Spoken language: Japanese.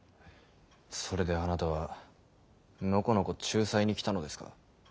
それであなたはのこのこ仲裁に来たのですか。